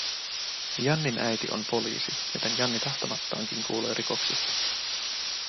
Jannin äiti on poliisi, joten Janni tahtomattaankin kuulee rikoksista